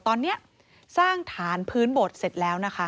ตอนนี้สร้างฐานพื้นโบสถเสร็จแล้วนะคะ